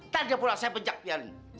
tadi pula saya bejak piali